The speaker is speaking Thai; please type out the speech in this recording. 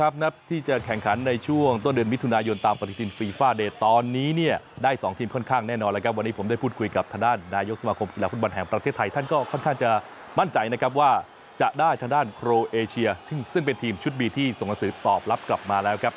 มีความสุขขันในรายการนี้นะครับ